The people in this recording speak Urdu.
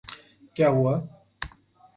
کیا ہوا؟